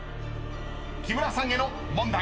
［木村さんへの問題］